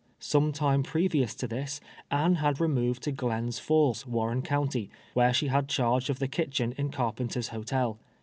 Some time previous to tliis, Anne had removed to Glens Falls, Warren county, where she had charge of the kitchen in Carpenter's Hotel.